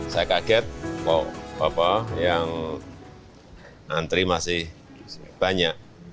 saya kaget wow bapak yang nantri masih banyak